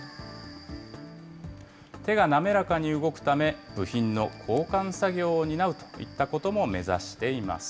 手が滑らかに動くため、部品の交換作業を担うといったことも目指しています。